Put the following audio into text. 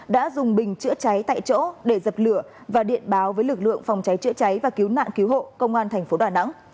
đã dùng bình chữa cháy tại chỗ để dập lửa và điện báo với lực lượng phòng cháy chữa cháy và cứu nạn cứu hộ công an thành phố đà nẵng